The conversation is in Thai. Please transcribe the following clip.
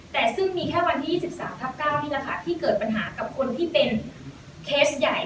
แต่ซึ่งมีแค่วันที่๒๓ทับ๙นี่แหละค่ะที่เกิดปัญหากับคนที่เป็นเคสใหญ่